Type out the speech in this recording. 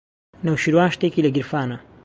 نەوشیروان شتێکی لە گیرفانە.